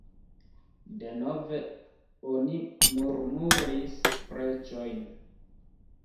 Denove oni murmuris preĝojn.